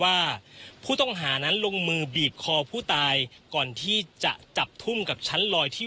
ว่าผู้ต้องหานั้นลงมือบีบคอผู้ตายก่อนที่จะจับทุ่มกับชั้นลอยที่